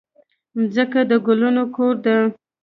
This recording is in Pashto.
مځکه د ګلونو کور ده.